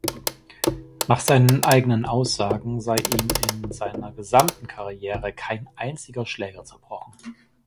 Nach seinen eigenen Aussagen sei ihm in seiner gesamten Karriere kein einziger Schläger zerbrochen.